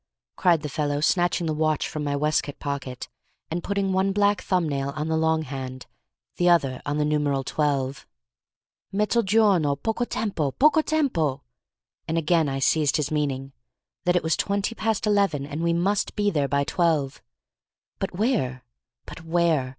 cried the fellow, snatching the watch from my waistcoat pocket, and putting one black thumb nail on the long hand, the other on the numeral twelve. "Mezzogiorno—poco tempo—poco tempo!" And again I seized his meaning, that it was twenty past eleven, and we must be there by twelve. But where, but where?